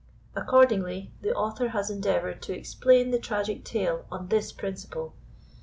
Accordingly, the Author has endeavoured to explain the tragic tale on this principle.